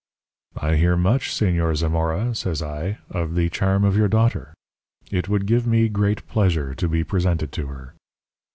"'I hear much, Señor Zamora,' says I, 'of the charm of your daughter. It would give me great pleasure to be presented to her.'